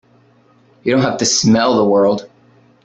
You don't have to smell the world!